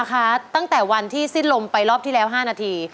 ตั้งแต่วันที่สิ้นลมไปรอบที่แล้ว๕นาที